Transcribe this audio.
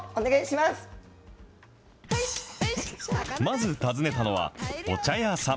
まず訪ねたのは、お茶屋さん。